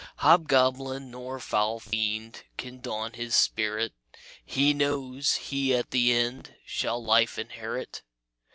"Hobgoblin nor foul fiend Can daunt his spirit; He knows he at the end Shall life inherit.